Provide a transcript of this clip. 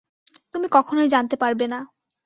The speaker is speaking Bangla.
তুমি কখনোই জানতে পারবে না।